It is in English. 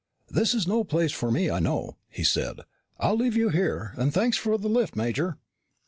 "This is no place for me, I know," he said. "I'll leave you here. And thanks for the lift, Major."